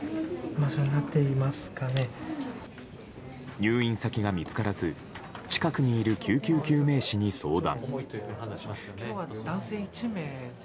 入院先が見つからず近くにいる救急救命士に相談。